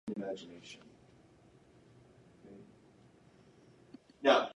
Zack tracks her down to reclaim his stolen money.